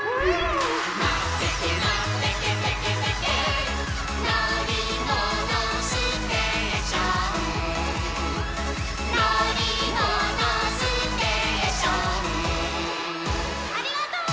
「のってけのってけテケテケ」「のりものステーション」「のりものステーション」ありがとう！